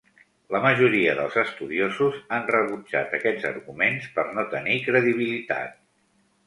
La majoria dels estudiosos han rebutjat aquests arguments per no tenir credibilitat.